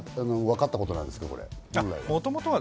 わかったことなんですか？